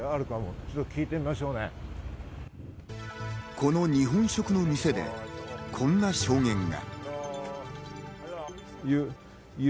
この日本食の店で、こんな証言が。